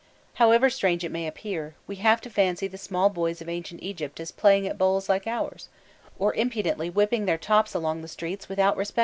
However, strange it may appear, we have to fancy the small boys of ancient Egypt as playing at bowls like ours, or impudently whipping their tops along the streets without respect for the legs of the passers by.